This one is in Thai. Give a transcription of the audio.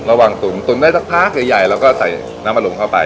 ระหว่างตุ๋นตุ๋นได้สักพักใหญ่แล้วก็ใส่น้ำอารมณ์เข้าไป